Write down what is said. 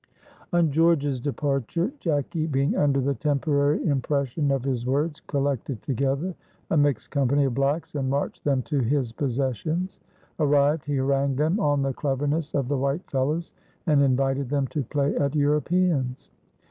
On George's departure, Jacky, being under the temporary impression of his words, collected together a mixed company of blacks, and marched them to his possessions. Arrived, he harangued them on the cleverness of the white fellows, and invited them to play at Europeans.